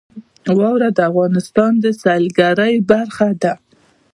واوره د افغانستان د سیلګرۍ برخه ده.